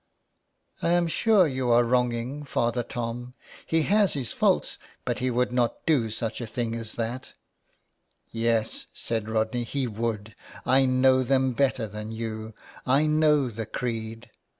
'I am sure you are wronging Father Tom ; he has his faults, but he would not do such a thing as that" " Yes," said Rodney, *' he would. I know them better than you. I know the creed.